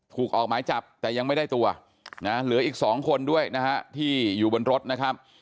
ออกหมายจับแต่ยังไม่ได้ตัวนะเหลืออีก๒คนด้วยนะฮะที่อยู่บนรถนะครับ